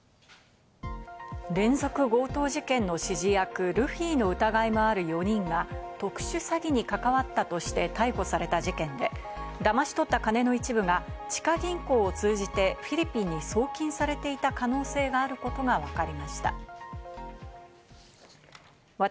連続強盗事件の指示役・ルフィの疑いがある４人が特殊詐欺に関わったとして逮捕された事件で、だまし取った金の一部が地下銀行を通じてフィリピンに送金されていた可能性があることがわかりました。